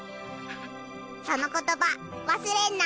・その言葉忘れんな。